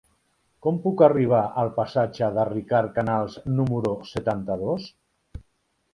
Com puc arribar al passatge de Ricard Canals número setanta-dos?